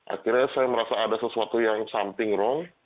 akhirnya saya merasa ada sesuatu yang something wrong